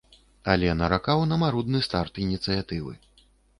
Але наракаў на марудны старт ініцыятывы.